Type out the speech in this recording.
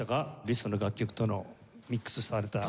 リストの楽曲とのミックスされた。